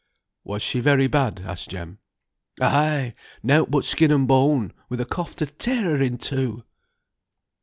"Was she very bad?" asked Jem. "Ay! nought but skin and bone, with a cough to tear her in two."